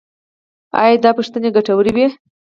ایا دا پوښتنې ګټورې وې؟